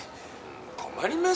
困りますよ